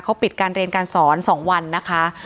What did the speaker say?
เขาปิดการเรียนการสอน๒วันนะคะ